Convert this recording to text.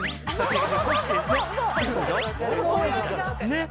ねっ。